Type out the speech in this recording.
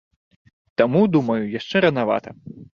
Таму, думаю, яшчэ ранавата.